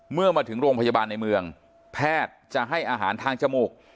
เมื่อมาถึงโรงพยาบาลในเมืองแพทย์จะให้อาหารทางจมูก